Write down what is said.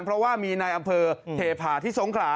เพราะว่ามีในอำเภอเทพาที่สงขลา